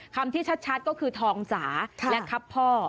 คำที่ชัดก็คือทองสาและครับพ่อ